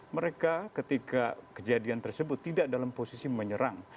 mereka ketika kejadian tersebut tidak dalam posisi menyerang